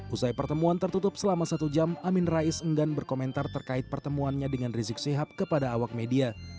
usai pertemuan tertutup selama satu jam amin rais enggan berkomentar terkait pertemuannya dengan rizik sihab kepada awak media